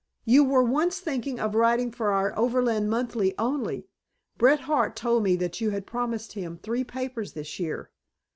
You were once thinking of writing for our Overland Monthly only. Bret Harte told me you had promised him three papers this year."